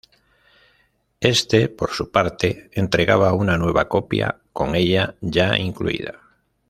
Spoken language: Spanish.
Este, por su parte, entregaba una nueva copia con ella ya incluida.